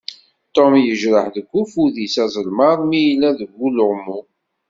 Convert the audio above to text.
Tom yejreḥ deg ufud-is azelmaḍ mi yella deg uluɣmu.